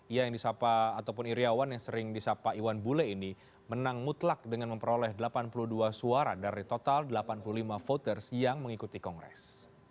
ia yang disapa ataupun iryawan yang sering disapa iwan bule ini menang mutlak dengan memperoleh delapan puluh dua suara dari total delapan puluh lima voters yang mengikuti kongres